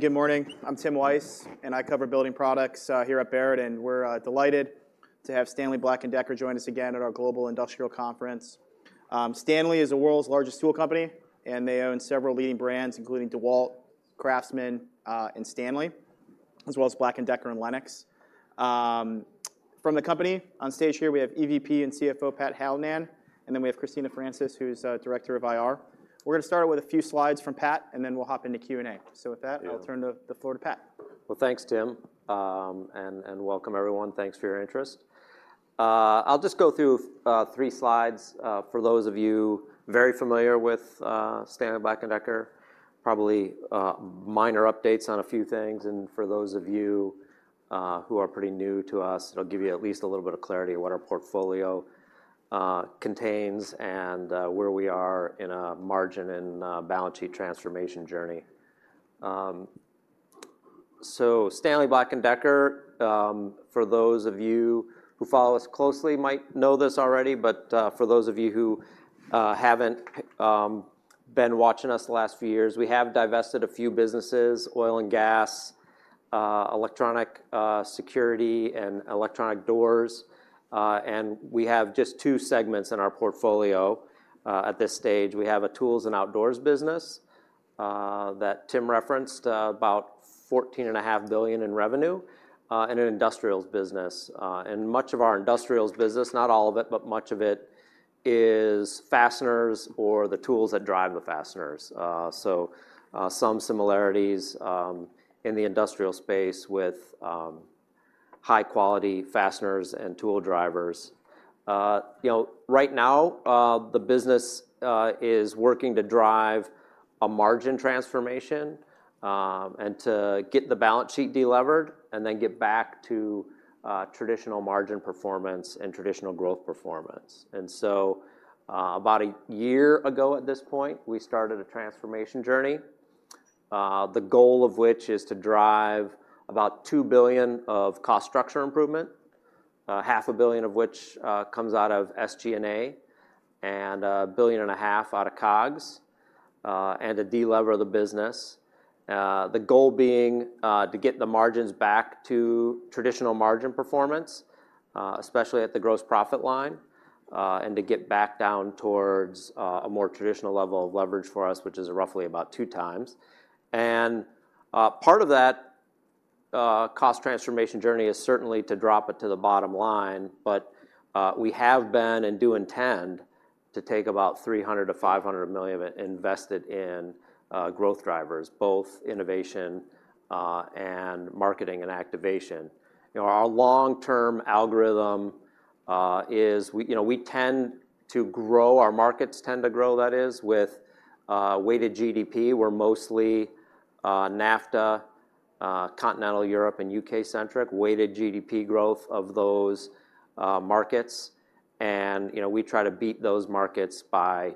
Good morning. I'm Tim Wojs, and I cover building products here at Baird, and we're delighted to have Stanley Black & Decker join us again at our Global Industrial Conference. Stanley is the world's largest tool company, and they own several leading brands, including DEWALT, CRAFTSMAN, and STANLEY, as well as BLACK+DECKER, and LENOX. From the company, on stage here, we have EVP and CFO, Pat Hallinan, and then we have Christina Francis, who's Director of IR. We're gonna start out with a few slides from Pat, and then we'll hop into Q&A. So with that- Yeah. I'll turn the floor to Pat. Well, thanks, Tim, and welcome, everyone. Thanks for your interest. I'll just go through three slides for those of you very familiar with Stanley Black & Decker, probably minor updates on a few things, and for those of you who are pretty new to us, it'll give you at least a little bit of clarity on what our portfolio contains and where we are in a margin and balance sheet transformation journey. So Stanley Black & Decker, for those of you who follow us closely, might know this already, but for those of you who haven't been watching us the last few years, we have divested a few businesses: oil and gas, electronic security, and electronic doors, and we have just two segments in our portfolio at this stage. We have a tools and outdoors business that Tim referenced about $14.5 billion in revenue and an industrials business. And much of our industrials business, not all of it, but much of it, is fasteners or the tools that drive the fasteners. So some similarities in the industrial space with high-quality fasteners and tool drivers. You know, right now the business is working to drive a margin transformation and to get the balance sheet de-levered, and then get back to traditional margin performance and traditional growth performance. And so, about a year ago, at this point, we started a transformation journey, the goal of which is to drive about $2 billion of cost structure improvement, $500 million of which comes out of SG&A, and $1.5 billion out of COGS, and to de-lever the business. The goal being to get the margins back to traditional margin performance, especially at the gross profit line, and to get back down towards a more traditional level of leverage for us, which is roughly about 2x. Part of that cost transformation journey is certainly to drop it to the bottom line, but we have been and do intend to take about $300 million-$500 million of it, invest it in growth drivers, both innovation and marketing and activation. You know, our long-term algorithm is we, you know, we tend to grow, our markets tend to grow, that is, with weighted GDP. We're mostly NAFTA, Continental Europe, and UK-centric, weighted GDP growth of those markets. And, you know, we try to beat those markets by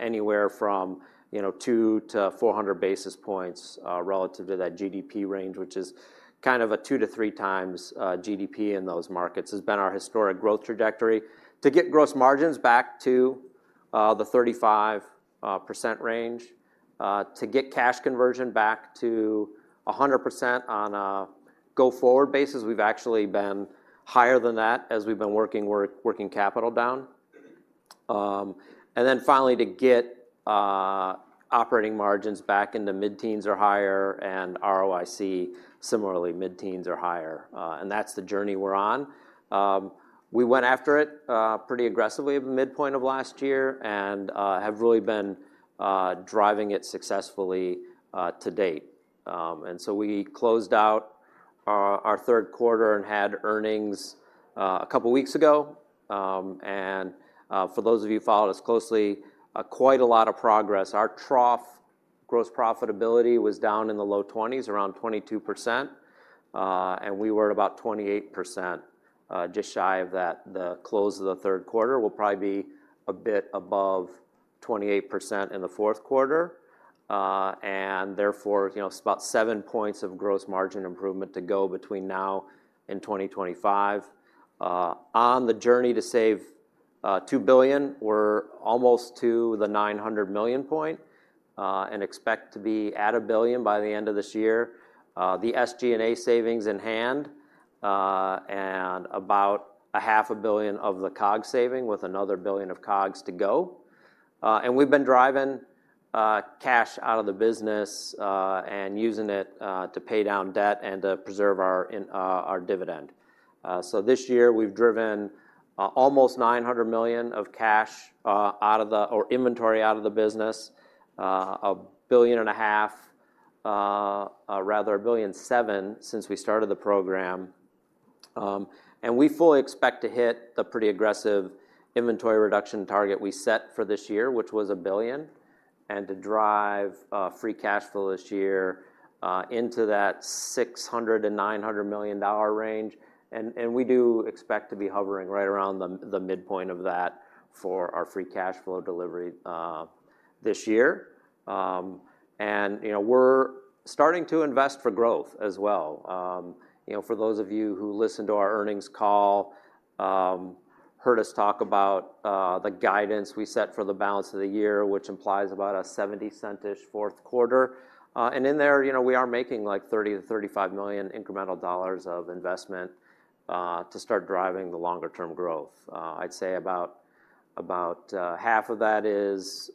anywhere from, you know, 200-400 basis points relative to that GDP range, which is kind of a two to three times GDP in those markets, has been our historic growth trajectory. To get gross margins back to the 35% range, to get cash conversion back to 100% on a go-forward basis. We've actually been higher than that as we've been working working capital down. And then finally, to get operating margins back in the mid-teens or higher, and ROIC, similarly, mid-teens or higher. That's the journey we're on. We went after it pretty aggressively at the midpoint of last year and have really been driving it successfully to date. So we closed out our third quarter and had earnings a couple of weeks ago. For those of you who followed us closely, quite a lot of progress. Our trough gross profitability was down in the low 20s, around 22%, and we were at about 28%, just shy of that. The close of the third quarter will probably be a bit above 28% in the fourth quarter, and therefore, you know, it's about seven points of gross margin improvement to go between now and 2025. On the journey to save $2 billion, we're almost to the $900 million point, and expect to be at $1 billion by the end of this year. The SG&A savings in hand, and about $500 million of the COGS saving, with another $1 billion of COGS to go. And we've been driving cash out of the business, and using it to pay down debt and to preserve our dividend. So this year, we've driven almost $900 million of cash out of the or inventory out of the business, $1.5 billion, rather, $1.7 billion since we started the program. We fully expect to hit the pretty aggressive inventory reduction target we set for this year, which was $1 billion, and to drive free cash flow this year into that $600 million-$900 million range. And we do expect to be hovering right around the midpoint of that for our free cash flow delivery this year. And, you know, we're starting to invest for growth as well. You know, for those of you who listened to our earnings call, heard us talk about the guidance we set for the balance of the year, which implies about a $0.70-ish fourth quarter. And in there, you know, we are making, like, $30 million-$35 million incremental dollars of investment to start driving the longer term growth. I'd say about half of that is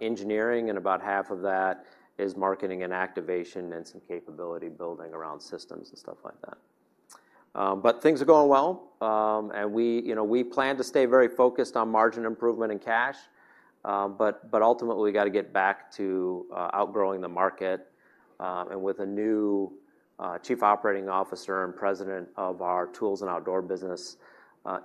engineering, and about half of that is marketing and activation, and some capability building around systems and stuff like that. But things are going well. And we, you know, we plan to stay very focused on margin improvement and cash, but ultimately, we gotta get back to outgrowing the market. And with a new chief operating officer and president of our tools and outdoor business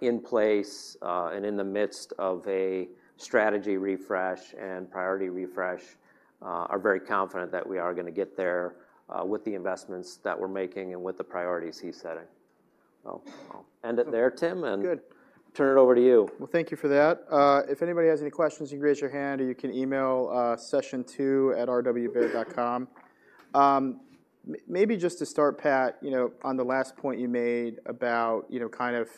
in place, and in the midst of a strategy refresh and priority refresh, are very confident that we are gonna get there with the investments that we're making and with the priorities he's setting. So I'll end it there, Tim- Good. and turn it over to you. Well, thank you for that. If anybody has any questions, you can raise your hand, or you can email sessiontwo@rwbaird.com. Maybe just to start, Pat, you know, on the last point you made about, you know, kind of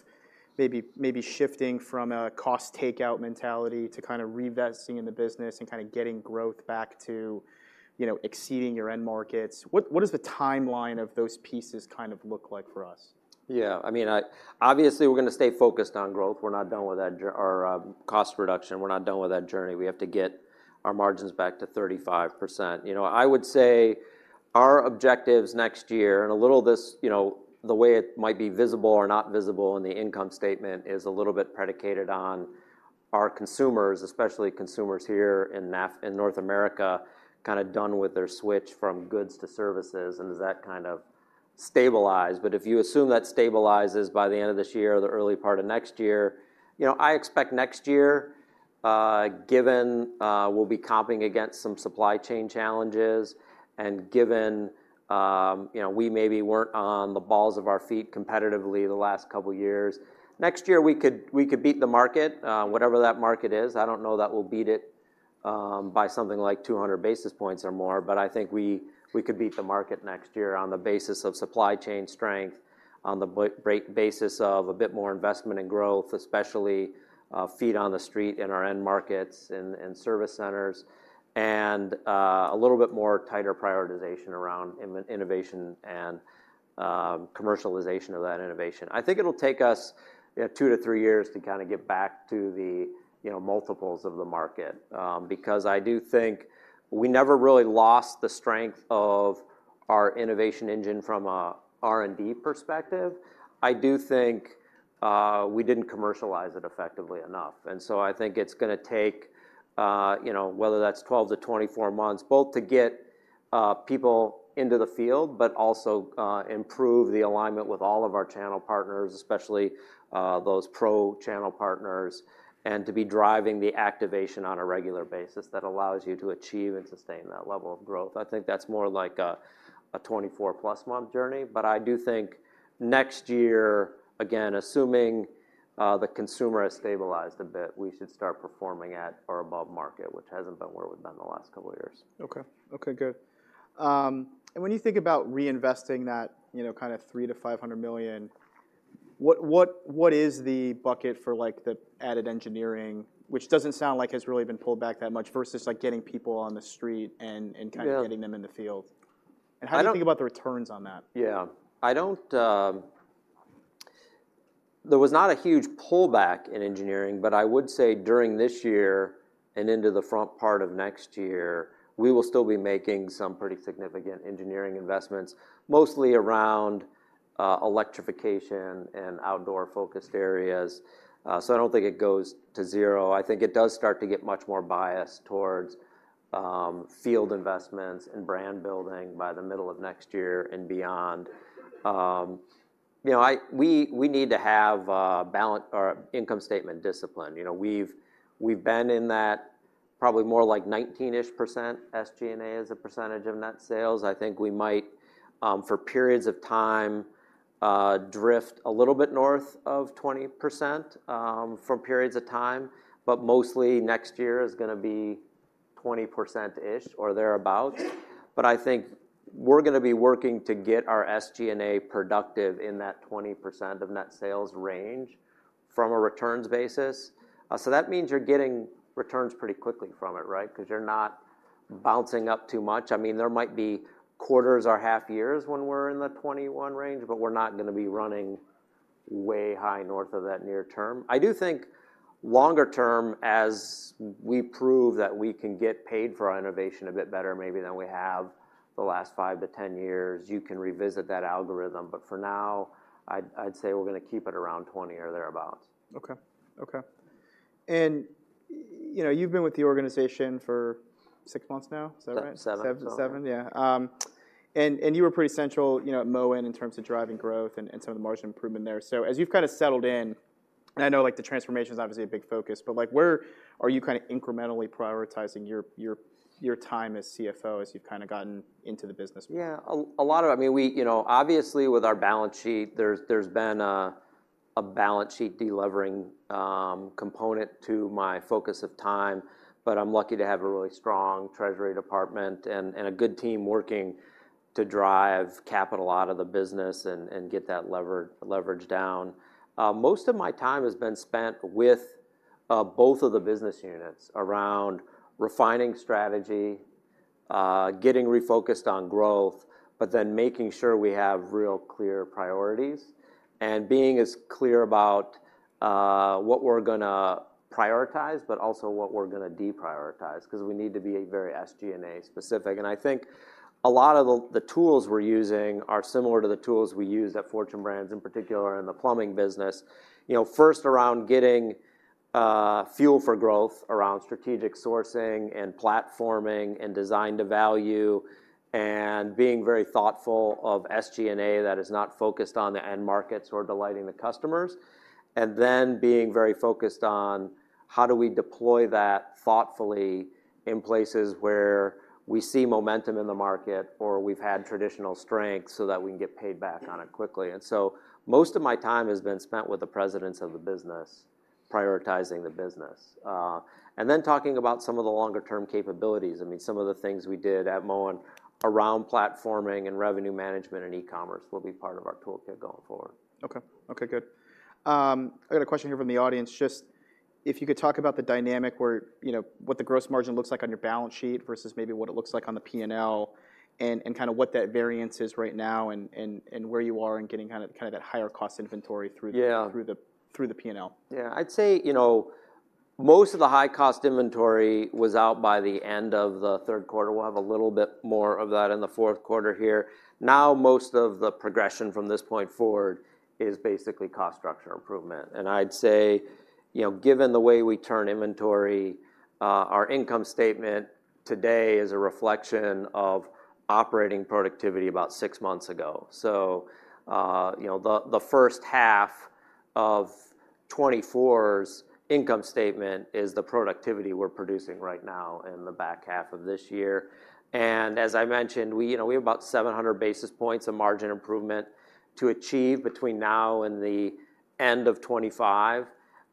maybe, maybe shifting from a cost takeout mentality to kind of reinvesting in the business and kind of getting growth back to, you know, exceeding your end markets, what does the timeline of those pieces kind of look like for us? Yeah, I mean, obviously, we're gonna stay focused on growth. We're not done with that cost reduction. We're not done with that journey. We have to get our margins back to 35%. You know, I would say our objectives next year, and a little of this, you know, the way it might be visible or not visible in the income statement, is a little bit predicated on our consumers, especially consumers here in North America, kind of done with their switch from goods to services, and does that kind of stabilize? But if you assume that stabilizes by the end of this year or the early part of next year, you know, I expect next year, given we'll be comping against some supply chain challenges and given, you know, we maybe weren't on the balls of our feet competitively the last couple of years, next year, we could, we could beat the market, whatever that market is. I don't know that we'll beat it, by something like 200 basis points or more, but I think we, we could beat the market next year on the basis of supply chain strength, on the basis of a bit more investment and growth, especially, feet on the street in our end markets and service centers, and a little bit more tighter prioritization around innovation and commercialization of that innovation. I think it'll take us, you know, two to three years to kind of get back to the, you know, multiples of the market. Because I do think we never really lost the strength of our innovation engine from a R&D perspective. I do think we didn't commercialize it effectively enough. And so I think it's gonna take, you know, whether that's 12-24 months, both to get people into the field, but also improve the alignment with all of our channel partners, especially those pro-channel partners, and to be driving the activation on a regular basis that allows you to achieve and sustain that level of growth. I think that's more like a 24+ month journey, but I do think next year, again, assuming the consumer has stabilized a bit, we should start performing at or above market, which hasn't been where we've been the last couple of years. Okay. Okay, good. And when you think about reinvesting that, you know, kind of $300 million-$500 million, what, what, what is the bucket for like the added engineering, which doesn't sound like it's really been pulled back that much, versus, like, getting people on the street and, and- Yeah... kind of getting them in the field? I don't- How do you think about the returns on that? Yeah. I don't... There was not a huge pullback in engineering, but I would say during this year and into the front part of next year, we will still be making some pretty significant engineering investments, mostly around electrification and outdoor-focused areas. So I don't think it goes to zero. I think it does start to get much more biased towards field investments and brand building by the middle of next year and beyond. You know, I—we need to have balance or income statement discipline. You know, we've been in that probably more like 19-ish%, SG&A, as a percentage of net sales. I think we might for periods of time drift a little bit north of 20%, for periods of time, but mostly next year is gonna be 20%-ish or thereabout. But I think we're gonna be working to get our SG&A productive in that 20% of net sales range from a returns basis. So that means you're getting returns pretty quickly from it, right? 'Cause you're not bouncing up too much. I mean, there might be quarters or half years when we're in the 21 range, but we're not gonna be running way high north of that near term. I do think longer term, as we prove that we can get paid for our innovation a bit better maybe than we have the last five to 10 years, you can revisit that algorithm, but for now, I'd say we're gonna keep it around 20 or thereabout. Okay. Okay. And, you know, you've been with the organization for six months now, is that right? Seven. Seven? Seven, yeah. And you were pretty central, you know, at Moen in terms of driving growth and some of the margin improvement there. So as you've kind of settled in, and I know, like, the transformation is obviously a big focus, but, like, where are you kind of incrementally prioritizing your time as CFO, as you've kind of gotten into the business? Yeah. A lot of—I mean, we, you know, obviously, with our balance sheet, there's been a balance sheet de-levering component to my focus of time, but I'm lucky to have a really strong treasury department and a good team working to drive capital out of the business and get that leverage down. Most of my time has been spent with both of the business units around refining strategy, getting refocused on growth, but then making sure we have real clear priorities, and being as clear about what we're gonna prioritize, but also what we're gonna deprioritize, 'cause we need to be very SG&A specific. And I think a lot of the tools we're using are similar to the tools we used at Fortune Brands, in particular in the plumbing business. You know, first around getting fuel for growth, around strategic sourcing and platforming and design to value, and being very thoughtful of SG&A that is not focused on the end markets or delighting the customers. And then being very focused on how do we deploy that thoughtfully in places where we see momentum in the market, or we've had traditional strength so that we can get paid back on it quickly. And so most of my time has been spent with the presidents of the business, prioritizing the business. And then talking about some of the longer term capabilities. I mean, some of the things we did at Moen around platforming and revenue management and e-commerce will be part of our toolkit going forward. Okay. Okay, good. I got a question here from the audience. Just if you could talk about the dynamic where, you know, what the gross margin looks like on your balance sheet versus maybe what it looks like on the P&L, and kinda what that variance is right now, and where you are in getting kind of that higher cost inventory through the- Yeah... through the P&L. Yeah. I'd say, you know, most of the high cost inventory was out by the end of the third quarter. We'll have a little bit more of that in the fourth quarter here. Now, most of the progression from this point forward is basically cost structure improvement. And I'd say, you know, given the way we turn inventory, our income statement today is a reflection of operating productivity about six months ago. So, you know, the first half of 2024's income statement is the productivity we're producing right now in the back half of this year. And as I mentioned, we, you know, we have about 700 basis points of margin improvement to achieve between now and the end of 2025.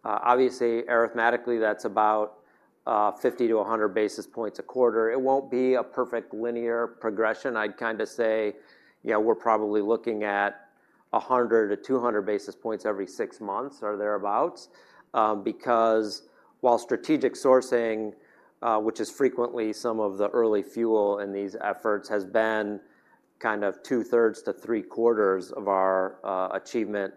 Obviously, arithmetically, that's about 50-100 basis points a quarter. It won't be a perfect linear progression. I'd kinda say, you know, we're probably looking at 100-200 basis points every six months or thereabout. Because while Strategic Sourcing, which is frequently some of the early fuel in these efforts, has been kind of 2/3-3/4 of our achievement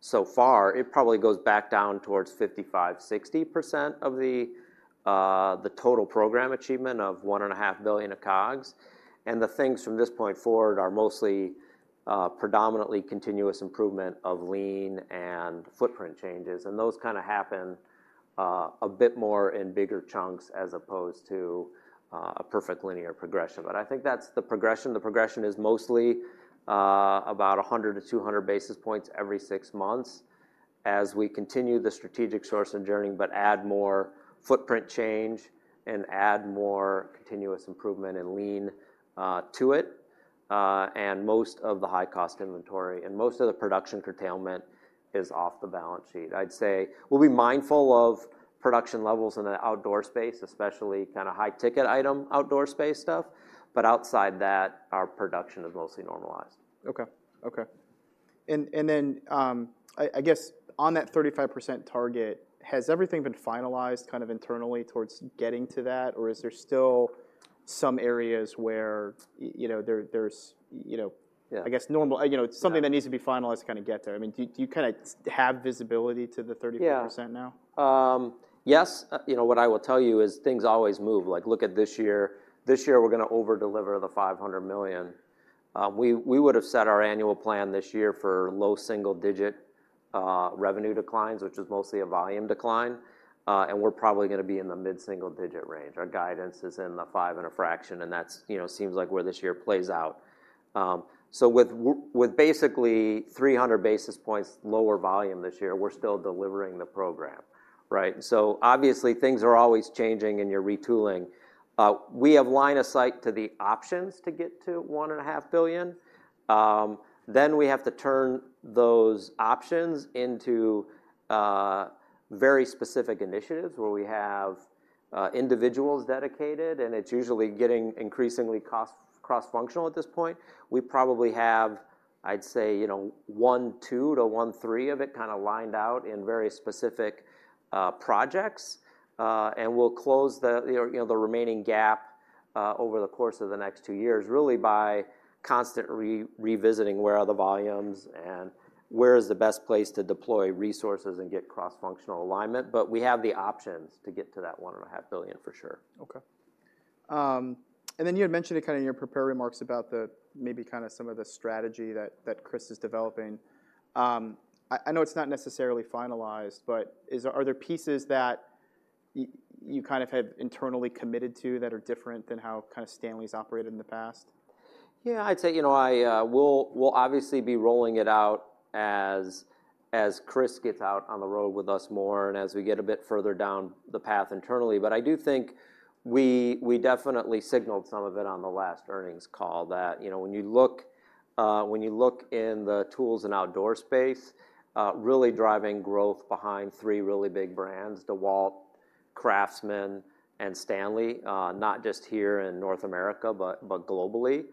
so far, it probably goes back down towards 55%-60% of the total program achievement of $1.5 billion of COGS. And the things from this point forward are mostly predominantly continuous improvement of lean and footprint changes, and those kinda happen a bit more in bigger chunks, as opposed to a perfect linear progression. But I think that's the progression. The progression is mostly about 100-200 basis points every six months as we continue the strategic sourcing journey, but add more footprint change and add more continuous improvement and lean to it. Most of the high cost inventory and most of the production curtailment is off the balance sheet. I'd say we'll be mindful of production levels in the outdoor space, especially kinda high-ticket item, outdoor space stuff, but outside that, our production is mostly normalized. Okay. Okay. And then, I guess on that 35% target, has everything been finalized kind of internally towards getting to that? Or is there still some areas where you know, there, there's you know- Yeah... I guess normal, you know- Yeah... something that needs to be finalized to kinda get there. I mean, do you, do you kinda have visibility to the 35% now? Yeah. Yes. You know, what I will tell you is things always move. Like, look at this year. This year, we're gonna over-deliver the $500 million. We would have set our annual plan this year for low single-digit revenue declines, which is mostly a volume decline, and we're probably gonna be in the mid-single-digit range. Our guidance is in the 5 and a fraction, and that's, you know, seems like where this year plays out. So with basically 300 basis points lower volume this year, we're still delivering the program, right? So obviously, things are always changing, and you're retooling. We have line of sight to the options to get to $1.5 billion. Then we have to turn those options into very specific initiatives where we have individuals dedicated, and it's usually getting increasingly cross-functional at this point. We probably have, I'd say, you know, 1.2-1.3 of it kinda lined out in very specific projects. And we'll close the, you know, the remaining gap over the course of the next two years, really by constantly revisiting where are the volumes and where is the best place to deploy resources and get cross-functional alignment. But we have the options to get to that $1.5 billion, for sure. Okay. And then you had mentioned in kinda in your prepared remarks about the maybe kinda some of the strategy that Chris is developing. I know it's not necessarily finalized, but are there pieces that you kind of have internally committed to, that are different than how kinda Stanley's operated in the past? Yeah, I'd say, you know, I... We'll, we'll obviously be rolling it out as, as Chris gets out on the road with us more and as we get a bit further down the path internally. But I do think we, we definitely signaled some of it on the last earnings call, that, you know, when you look in the tools and outdoor space, really driving growth behind three really big brands: DEWALT, CRAFTSMAN, and STANLEY. Not just here in North America, but, but globally.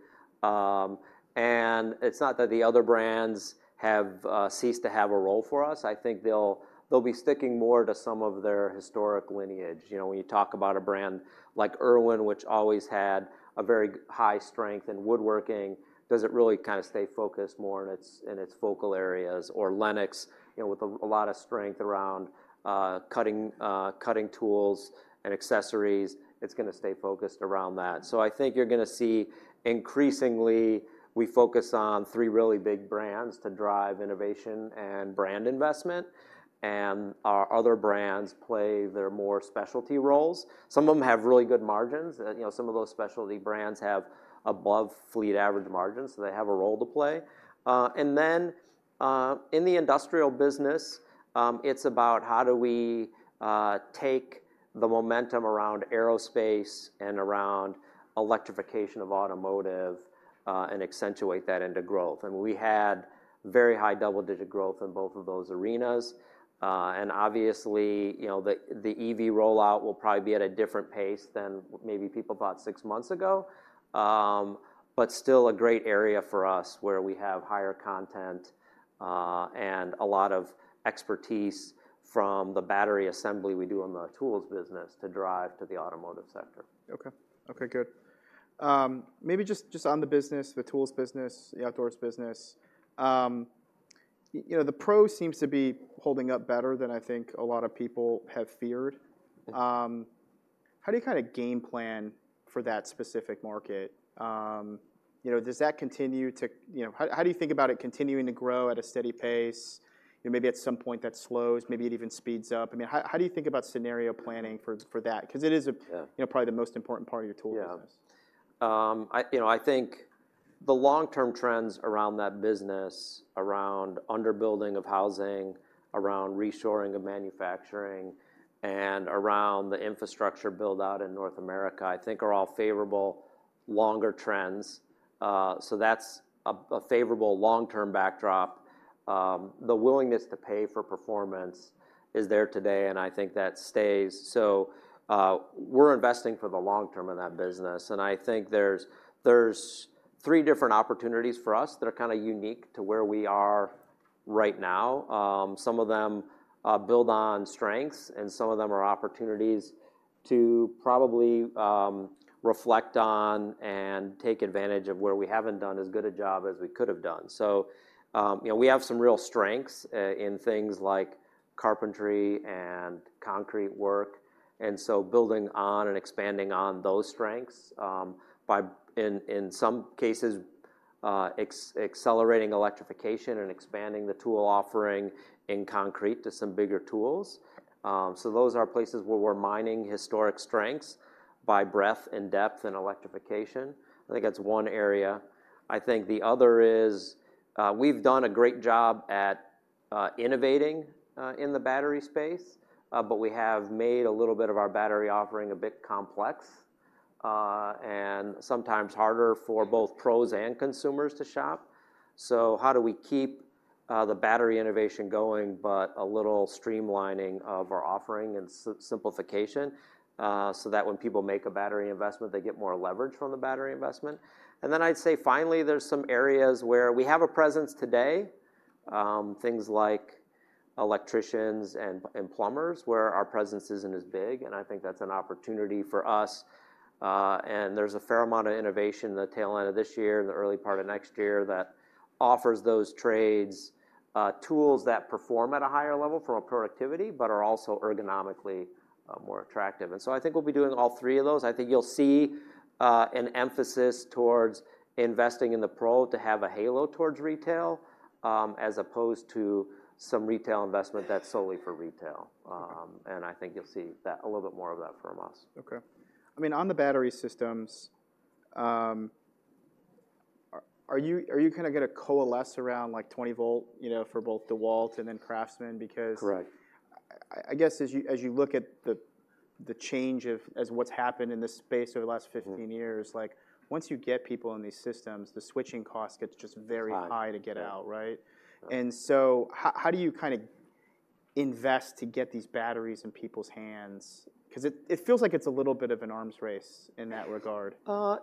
And it's not that the other brands have ceased to have a role for us. I think they'll, they'll be sticking more to some of their historic lineage. You know, when you talk about a brand like IRWIN, which always had a very high strength in woodworking, does it really kind of stay focused more in its, in its focal areas, or LENOX, you know, with a, a lot of strength around cutting tools and accessories, it's gonna stay focused around that. So I think you're gonna see increasingly, we focus on three really big brands to drive innovation and brand investment, and our other brands play their more specialty roles. Some of them have really good margins. You know, some of those specialty brands have above fleet average margins, so they have a role to play. And then in the industrial business, it's about how do we take the momentum around aerospace and around electrification of automotive and accentuate that into growth? We had very high double-digit growth in both of those arenas. Obviously, you know, the EV rollout will probably be at a different pace than maybe people thought six months ago. Still a great area for us where we have higher content, and a lot of expertise from the battery assembly we do in the tools business to drive to the automotive sector. Okay. Okay, good. Maybe just, just on the business, the tools business, the outdoors business, you know, the Pro seems to be holding up better than I think a lot of people have feared. Mm-hmm. How do you kind of game plan for that specific market? You know, does that continue to... You know, how, how do you think about it continuing to grow at a steady pace? You know, maybe at some point that slows, maybe it even speeds up. I mean, how, how do you think about scenario planning for, for that? 'Cause it is a- Yeah... you know, probably the most important part of your tool business. Yeah. You know, I think the long-term trends around that business, around underbuilding of housing, around reshoring of manufacturing, and around the infrastructure build-out in North America, I think are all favorable longer trends. So that's a favorable long-term backdrop. The willingness to pay for performance is there today, and I think that stays. So, we're investing for the long term in that business, and I think there's three different opportunities for us that are kinda unique to where we are right now. Some of them build on strengths, and some of them are opportunities to probably reflect on and take advantage of where we haven't done as good a job as we could have done. So, you know, we have some real strengths in things like carpentry and concrete work, and so building on and expanding on those strengths, by in some cases, accelerating electrification and expanding the tool offering in concrete to some bigger tools. So those are places where we're mining historic strengths by breadth and depth and electrification. I think that's one area. I think the other is, we've done a great job at innovating in the battery space, but we have made a little bit of our battery offering a bit complex, and sometimes harder for both pros and consumers to shop. So how do we keep the battery innovation going, but a little streamlining of our offering and simplification, so that when people make a battery investment, they get more leverage from the battery investment? I'd say finally, there's some areas where we have a presence today, things like electricians and plumbers, where our presence isn't as big, and I think that's an opportunity for us. And there's a fair amount of innovation in the tail end of this year and the early part of next year that offers those trades tools that perform at a higher level for productivity, but are also ergonomically more attractive. And so I think we'll be doing all three of those. I think you'll see an emphasis towards investing in the Pro to have a halo towards retail, as opposed to some retail investment that's solely for retail. And I think you'll see that, a little bit more of that from us. Okay. I mean, on the battery systems, are you kinda gonna coalesce around, like, 20 volt, you know, for both DEWALT and then CRAFTSMAN? Because- Correct... I guess as you look at the change, as what's happened in this space over the last 15 years- Mm-hmm... like, once you get people on these systems, the switching cost gets just very- It's high... high to get out, right? Right. So how do you kind of invest to get these batteries in people's hands? 'Cause it feels like it's a little bit of an arms race in that regard.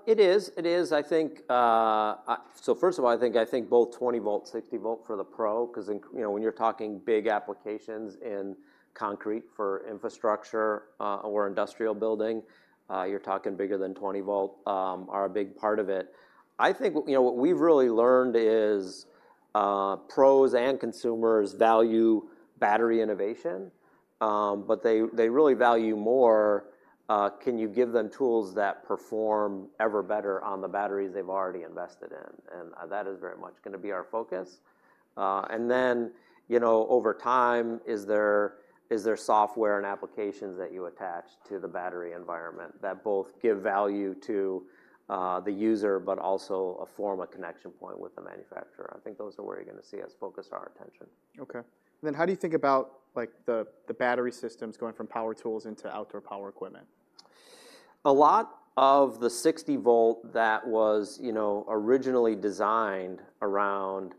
It is. It is. I think, so first of all, I think, I think both 20-volt, 60-volt for the Pro, 'cause in... You know, when you're talking big applications in concrete for infrastructure, or industrial building, you're talking bigger than 20-volt, are a big part of it. I think, you know, what we've really learned is, pros and consumers value battery innovation, but they, they really value more, can you give them tools that perform ever better on the batteries they've already invested in? And, that is very much gonna be our focus. And then, you know, over time, is there, is there software and applications that you attach to the battery environment that both give value to, the user, but also a form of connection point with the manufacturer? I think those are where you're gonna see us focus our attention. Okay. And then how do you think about, like, the battery systems going from power tools into outdoor power equipment? A lot of the 60-volt that was, you know, originally designed around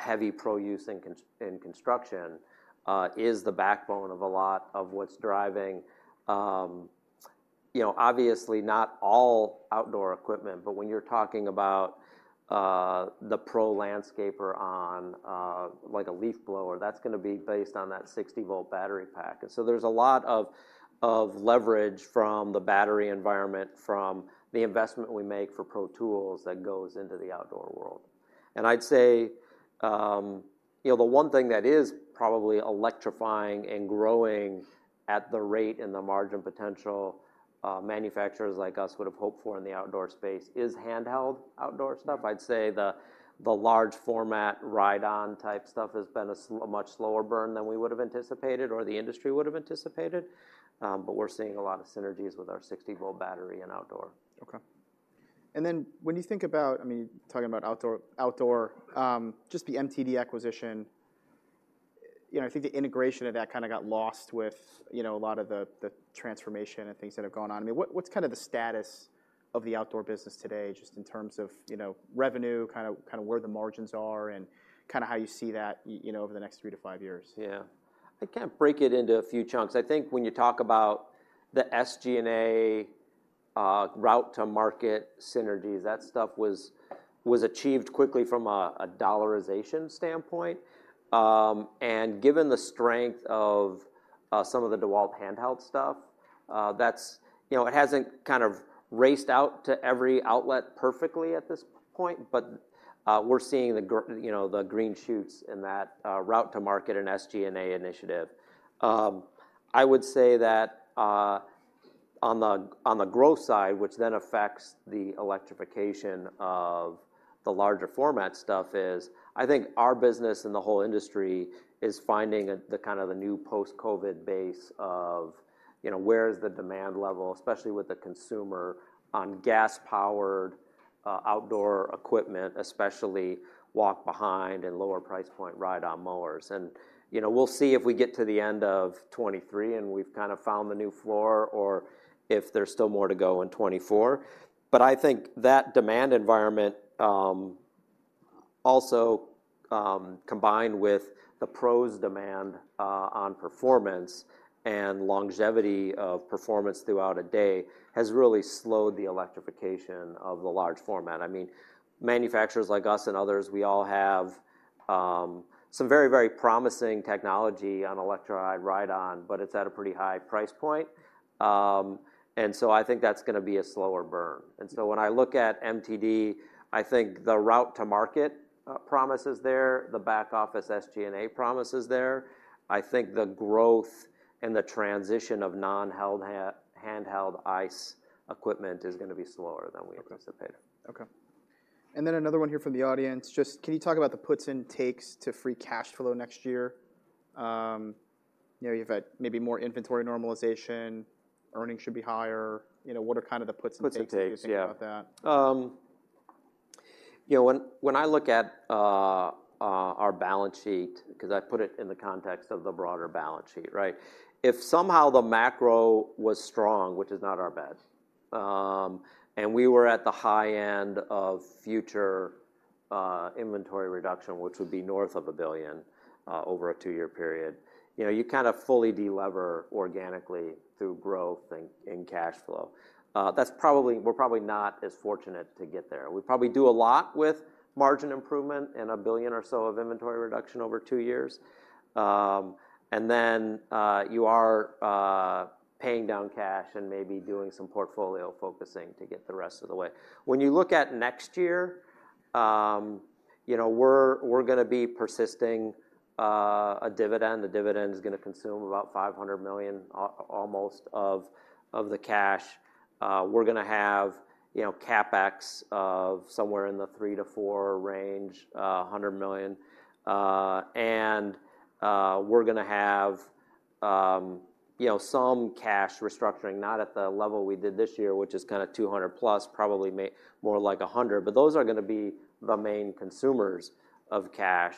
heavy pro use in construction is the backbone of a lot of what's driving, you know, obviously not all outdoor equipment, but when you're talking about the pro landscaper on, like, a leaf blower, that's gonna be based on that 60-volt battery pack. And so there's a lot of, of leverage from the battery environment, from the investment we make for pro tools that goes into the outdoor world. And I'd say, you know, the one thing that is probably electrifying and growing at the rate and the margin potential manufacturers like us would have hoped for in the outdoor space is handheld outdoor stuff. I'd say the large format, ride-on type stuff has been a much slower burn than we would have anticipated or the industry would have anticipated. But we're seeing a lot of synergies with our 60-volt battery and outdoor. Okay. Then when you think about, I mean, talking about outdoor, just the MTD acquisition, you know, I think the integration of that kinda got lost with, you know, a lot of the transformation and things that have gone on. I mean, what's kind of the status of the outdoor business today, just in terms of, you know, revenue, kind of where the margins are and kinda how you see that, you know, over the next three to five years? Yeah. I kind of break it into a few chunks. I think when you talk about the SG&A, route to market synergies, that stuff was achieved quickly from a dollarization standpoint. And given the strength of some of the DEWALT handheld stuff, that's... You know, it hasn't kind of raced out to every outlet perfectly at this point, but, we're seeing the green shoots in that route to market and SG&A initiative. I would say that, on the growth side, which then affects the electrification of the larger format stuff, is I think our business and the whole industry is finding the kind of the new post-COVID base of, you know, where is the demand level, especially with the consumer, on gas-powered, outdoor equipment, especially walk behind and lower price point ride-on mowers. And, you know, we'll see if we get to the end of 2023 and we've kinda found the new floor or if there's still more to go in 2024. But I think that demand environment, also, combined with the pros demand, on performance and longevity of performance throughout a day, has really slowed the electrification of the large format. I mean, manufacturers like us and others, we all have some very, very promising technology on electrified ride-on, but it's at a pretty high price point. And so I think that's gonna be a slower burn. And so when I look at MTD, I think the route to market promise is there, the back office SG&A promise is there. I think the growth and the transition of non-handheld ICE equipment is gonna be slower than we anticipated. Okay. And then another one here from the audience, just can you talk about the puts and takes to Free Cash Flow next year? You know, you've had maybe more inventory normalization, earnings should be higher, you know, what are kind of the puts and takes- Puts and takes, yeah.... if you think about that? You know, when I look at our balance sheet, because I put it in the context of the broader balance sheet, right? If somehow the macro was strong, which is not our bet, and we were at the high end of future inventory reduction, which would be north of $1 billion over a two-year period, you know, you kind of fully delever organically through growth and cash flow. That's probably. We're probably not as fortunate to get there. We probably do a lot with margin improvement and $1 billion or so of inventory reduction over two years. And then you are paying down cash and maybe doing some portfolio focusing to get the rest of the way. When you look at next year, you know, we're gonna be persisting a dividend. The dividend is gonna consume about $500 million, almost, of the cash. We're gonna have, you know, CapEx of somewhere in the $300 million-$400 million range. And we're gonna have, you know, some cash restructuring, not at the level we did this year, which is kinda $200 million+, probably maybe more like $100 million, but those are gonna be the main consumers of cash.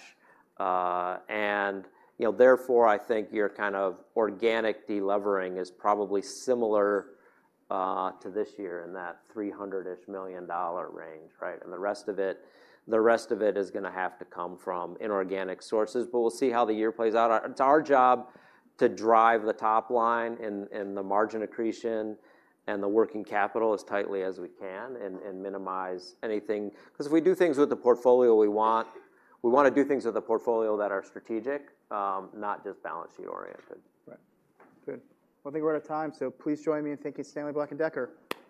And therefore, I think your kind of organic delevering is probably similar to this year in that $300 million-ish range, right? And the rest of it, the rest of it is gonna have to come from inorganic sources, but we'll see how the year plays out. It's our job to drive the top line and the margin accretion and the working capital as tightly as we can and minimize anything. Because if we do things with the portfolio we want, we wanna do things with the portfolio that are strategic, not just balance sheet-oriented. Right. Good. Well, I think we're out of time, so please join me in thanking Stanley Black & Decker.